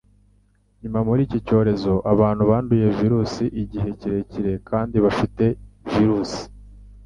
Nyuma muri iki cyorezo, abantu banduye virusi igihe kirekire kandi bafite virusi